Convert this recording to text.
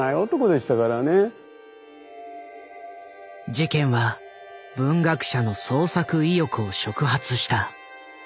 事件は文学者の創作意欲を触発した。